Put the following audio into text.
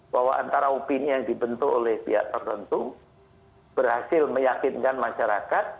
bahwa antara opini yang dibentuk oleh pihak tertentu berhasil meyakinkan masyarakat